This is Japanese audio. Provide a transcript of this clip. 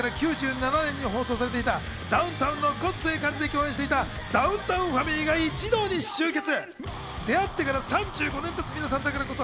９１年から９７年に放送されていた『ダウンタウンのごっつええ感じ』で共演していたダウンタウンファミリーが一堂に集結。